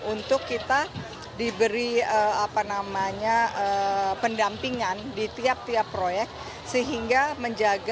untuk kita diberi pendampingan di tiap tiap proyek sehingga menjaga